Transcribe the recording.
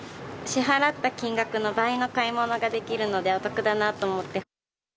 支払った金額の倍の買い物ができるので、お得だなと思って。